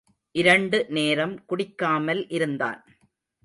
இரண்டு நேரம் குடிக்காமல் இருந்தான்.